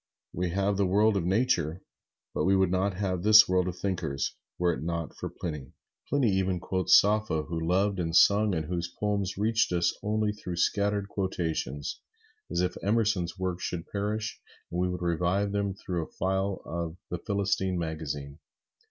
We have the world of Nature, but we would not have this world of thinkers, were it not for Pliny. Pliny even quotes Sappho, who loved and sung, and whose poems reached us only through scattered quotations, as if Emerson's works should perish and we would revive him through a file of "The Philistine" magazine.